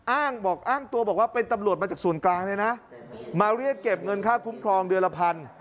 บอกอ้างตัวบอกว่าเป็นตำรวจมาจากส่วนกลางเลยนะมาเรียกเก็บเงินค่าคุ้มครองเดือนละพัน